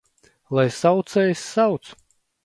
Lai saucējs sauc!